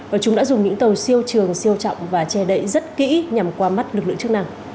và chúng đã dùng những tàu siêu trường siêu trọng và che đậy rất kỹ nhằm qua mắt lực lượng chức năng